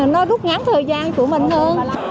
nó rút ngắn thời gian của mình hơn